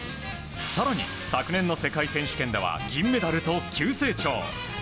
更に昨年の世界選手権では銀メダルと急成長。